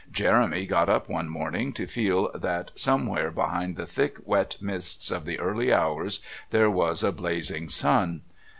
Jeremy got up one morning to feel that somewhere behind the thick wet mists of the early hours there was a blazing sun.